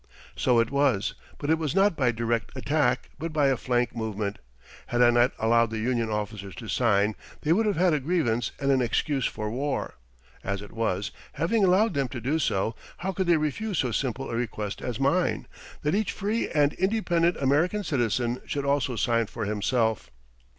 So it was, but it was not by direct attack, but by a flank movement. Had I not allowed the union officers to sign, they would have had a grievance and an excuse for war. As it was, having allowed them to do so, how could they refuse so simple a request as mine, that each free and independent American citizen should also sign for himself.